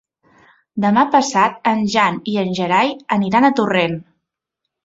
Demà passat en Jan i en Gerai aniran a Torrent.